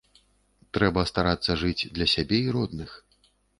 Трэба старацца жыць для сябе і родных.